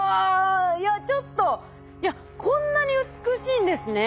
いやこんなに美しいんですね